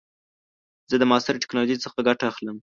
زه د معاصر ټکنالوژۍ څخه ګټه اخلم.